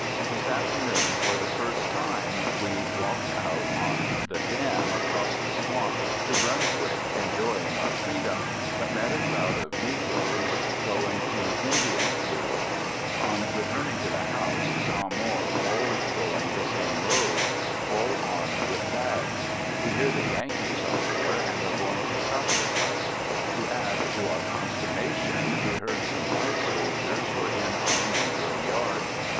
This afternoon, for the first time, we walked out on the dam across the swamp to Brunswick enjoying our freedom, but met a crowd of negroes going to Indianfield. On returning to the house, saw more, all going the same road, all armed with bags. We hear the Yankees are there and are going to sup with us. To add to our consternation, we heard some white soldiers were in our negro yard.